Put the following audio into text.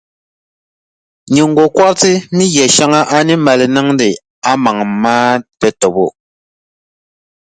Nyiŋgokɔriti ni yɛʼ shɛŋa a ni mali niŋdi a maŋa maa tatabo.